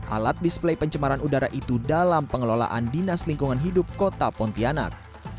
alat display pencemaran udara itu dalam pengelolaan dinas lingkungan hidup kota pontianak